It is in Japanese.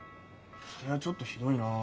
そりゃちょっとひどいなあ。